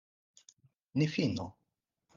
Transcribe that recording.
Ni finu.